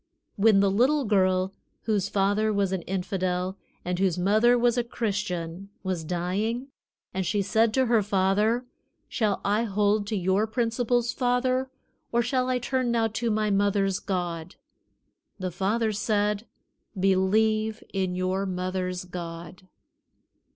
When the little girl whose father was an infidel and whose mother was a Christian was dying, and she said to her father, "Shall I hold to your principles, father, or shall I turn now to my mother's God?" the father said: "Believe in your mother's God."